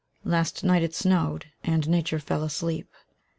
Last night it snowed; and Nature fell asleep.